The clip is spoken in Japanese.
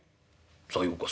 「さようか。